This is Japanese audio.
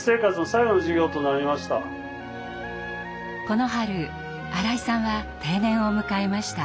この春新井さんは定年を迎えました。